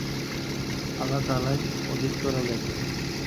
আল্লাহ তাআলাই অধিকতর জ্ঞাত।